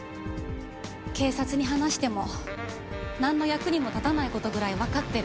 警察に話してもなんの役にも立たない事ぐらいわかってる。